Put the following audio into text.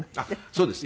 そうです。